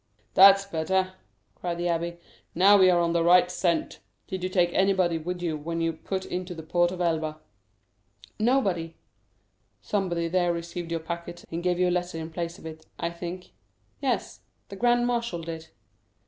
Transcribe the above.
"That's better," cried the abbé; "now we are on the right scent. Did you take anybody with you when you put into the port of Elba?" "Nobody." "Somebody there received your packet, and gave you a letter in place of it, I think?" "Yes; the grand marshal did."